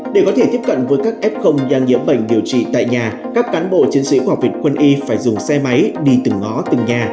để có thể tiếp cận với các f đang nhiễm bệnh điều trị tại nhà các cán bộ chiến sĩ của học viện quân y phải dùng xe máy đi từng ngõ từng nhà